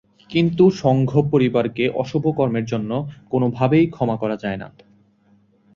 কিন্তু সংঘ পরিবারকে অশুভ কর্মের জন্য কোনোভাবেই ক্ষমা করা যায় না।